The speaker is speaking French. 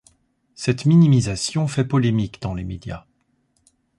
Cette minimisation fait polémique dans les médias.